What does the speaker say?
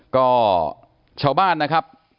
ก็ชาวบ้านนะครับ